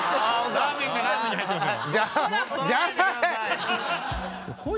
ラーメンがラーメンに入ってますよ。